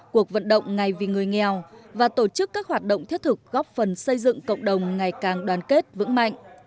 cuộc vận động ngày vì người nghèo và tổ chức các hoạt động thiết thực góp phần xây dựng cộng đồng ngày càng đoàn kết vững mạnh